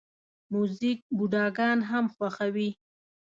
موزیک بوډاګان هم خوښوي.